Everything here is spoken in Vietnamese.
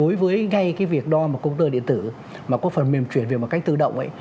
đối với ngay cái việc đo một công tơ điện tử mà có phần mềm chuyển về một cách tự động ấy